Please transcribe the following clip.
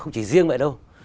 không chỉ riêng vậy đâu